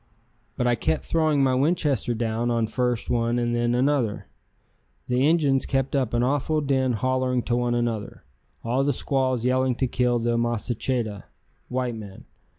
But I kept throwing my Winchester down on first one and then another. The Injuns kept up an awful din hollering to one another, all the squaws yelling to kill the masacheta (white man).